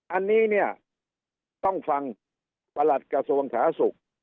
อันนี้เนี่ยต้องฟังประหลัดกระทรวงสาธารณสุข